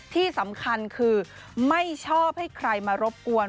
ที่สำคัญคือไม่ชอบให้ใครมารบกวน